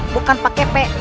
bukan pak kepek